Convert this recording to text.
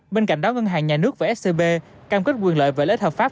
bên cạnh đó ngân hàng nhà nước và scb cam kết quyền lợi và lợi ích hợp pháp